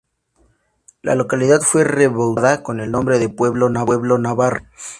La localidad fue rebautizada con el nombre de Pueblo Navarro.